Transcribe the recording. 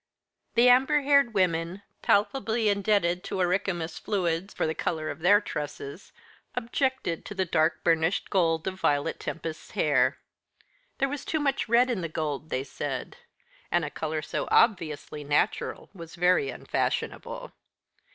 The amber haired women palpably indebted to auricomous fluids for the colour of their tresses objected to the dark burnished gold of Violet Tempest's hair. There was too much red in the gold, they said, and a colour so obviously natural was very unfashionable.